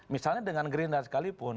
misalnya dengan gerinda sekalipun